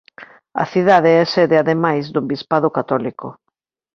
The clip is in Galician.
A cidade é sede ademais dun bispado católico.